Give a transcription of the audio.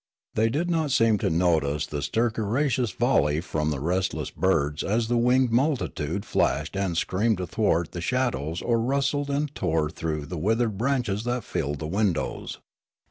They did not seem to notice the stercoraceous volley Tirralaria 143 from the restless birds as the winged multitude flashed and screamed athwart the shadows or rustled and tore through the withered branches that filled the windows.